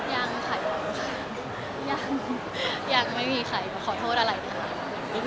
ยังยังไม่มีใครก็ขอโทษอาหารหลายทาง